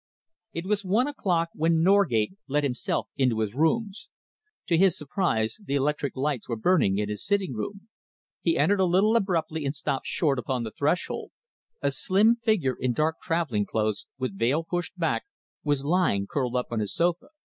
It was one o'clock when Norgate let himself into his rooms. To his surprise, the electric lights were burning in his sitting room. He entered a little abruptly and stopped short upon the threshold. A slim figure in dark travelling clothes, with veil pushed back, was lying curled up on his sofa.